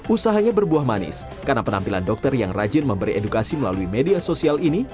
usahanya berbuah manis karena penampilan dokter yang rajin memberi edukasi melalui media sosial ini